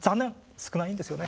少ないんですよね。